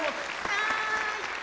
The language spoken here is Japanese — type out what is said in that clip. はい。